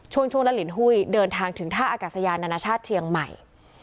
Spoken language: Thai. ช่วงช่วงละลินหุ้ยเดินทางถึงท่าอากาศยานานาชาติเชียงใหม่